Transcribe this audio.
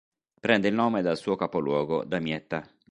Prende il nome dal suo capoluogo, Damietta.